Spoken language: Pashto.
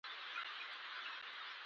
د قبر سر ته یې کېناستم، ښه ډېر مې وژړل.